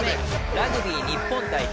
ラグビー日本代表